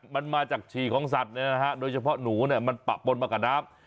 มันมาจากฉี่ของสัตว์โดยเฉพาะหนูเนี่ยมันปะปนมากับน้ำ